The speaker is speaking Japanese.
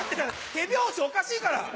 手拍子おかしいから！